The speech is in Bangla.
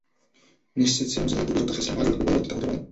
নিশ্চিত ছিলাম যে এই ত্রুটিযুক্ত সিস্টেম ভালোর দিকে পরিবর্তিত হতে পারে।